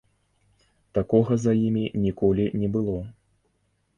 Такога за імі ніколі не было.